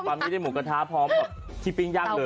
ตอนนี้ได้หมูกระทะพร้อมกับที่ปิ้งย่างเลย